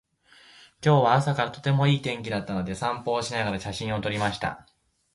今日は朝からとてもいい天気だったので、散歩をしながら写真を撮りました。